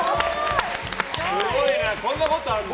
すごいな、こんなことあるんだ。